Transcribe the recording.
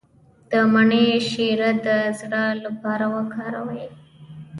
د مڼې شیره د زړه لپاره وکاروئ